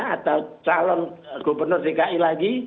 atau calon gubernur dki lagi